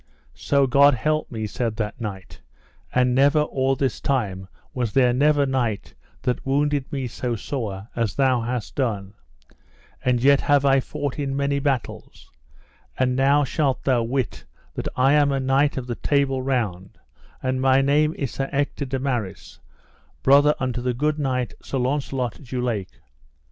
So God me help, said that knight, and never or this time was there never knight that wounded me so sore as thou hast done, and yet have I fought in many battles; and now shalt thou wit that I am a knight of the Table Round, and my name is Sir Ector de Maris, brother unto the good knight, Sir Launcelot du Lake.